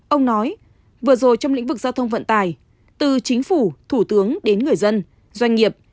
ông nói vừa rồi trong lĩnh vực giao thông vận tài từ chính phủ thủ tướng đến người dân doanh nghiệp